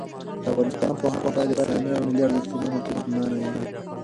د افغانستان پوهنه باید د اسلامي او ملي ارزښتونو ترجمانه وي.